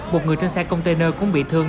một người trên xe container cũng bị thương